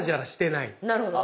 なるほど。